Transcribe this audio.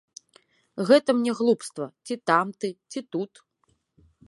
Гэта мне глупства, ці там ты, ці тут.